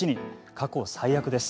過去最悪です。